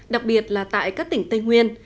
đặc biệt là tại các tỉnh tây nguyên